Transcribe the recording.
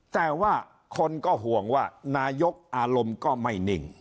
แต่ว่าคนก็ห่วงว่านายกอารมณ์ก็ไม่นิ่ง